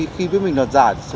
khi biết mình đoạt giải